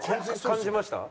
感じました